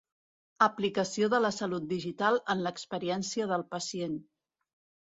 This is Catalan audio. Aplicació de la salut digital en l'experiència del pacient.